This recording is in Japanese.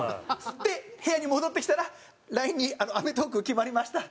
で部屋に戻ってきたらＬＩＮＥに「『アメトーーク』決まりました」。